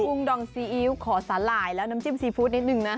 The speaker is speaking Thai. งดองซีอิ๊วขอสาหร่ายแล้วน้ำจิ้มซีฟู้ดนิดนึงนะ